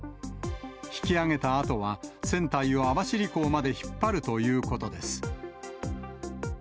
引き揚げたあとは、船体を網走港まで引っ張るということです。